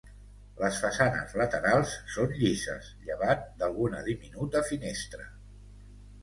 Les façanes laterals són llises, llevat d'alguna diminuta finestra.